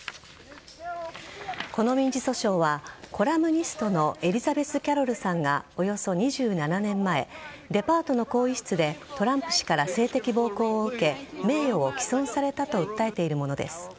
この民事訴訟はコラムニストのエリザベス・キャロルさんがおよそ２７年前デパートの更衣室でトランプ氏から性的暴行を受け名誉を毀損されたと訴えているものです。